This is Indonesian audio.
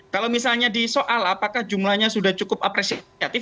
kalau misalnya disoal apakah jumlahnya sudah cukup apresiasi